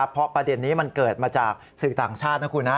เพราะประเด็นนี้มันเกิดมาจากสื่อต่างชาตินะคุณนะ